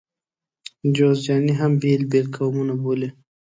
جوزجاني هم بېل بېل قومونه بولي.